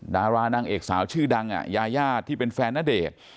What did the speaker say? ดารานางเอกสาวชื่อดังยายาที่เป็นแฟนณเดชน์